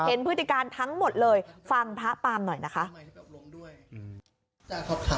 พฤติการทั้งหมดเลยฟังพระปามหน่อยนะคะ